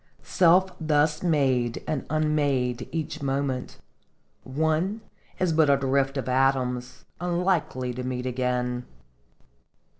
Self thus made and unmade each moment, one is but a drift of atoms, unlikely to meet again